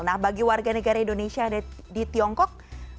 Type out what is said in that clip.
nah bagi warga negara indonesia di tiongkok